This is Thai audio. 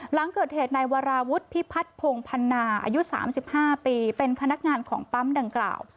หลังเกิดเหตุนายวราวุฒิพิพัฒน์พงพันนาอายุ๓๕ปีเป็นพนักงานของปั๊มดังกล่าว